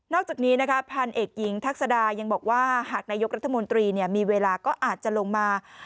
จากนี้นะคะพันเอกหญิงทักษดายังบอกว่าหากนายกรัฐมนตรีมีเวลาก็อาจจะลงมา